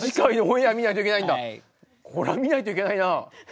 これは見ないといけないな。